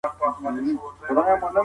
پر مځکي مه بېدېږئ.